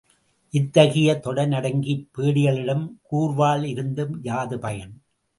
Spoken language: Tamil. இத்தகைய தொடைநடுங்கிப் பேடிகளிடம் கூர்வாள் இருந்தும் யாது பயன்?